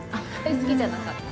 好きじゃなかった。